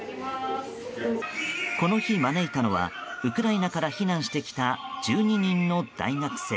この日、招いたのはウクライナから避難してきた１２人の大学生。